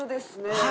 はい。